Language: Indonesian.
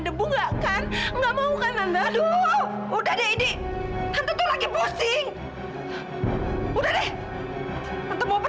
dan kamila itu adalah debu tante